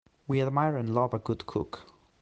We admire and love a good cook.